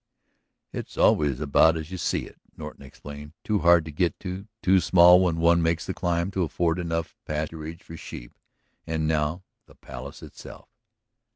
"It's always about as you see it," Norton explained. "Too hard to get to, too small when one makes the climb to afford enough pasturage for sheep. And now the Palace itself."